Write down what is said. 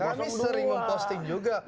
kami sering memposting juga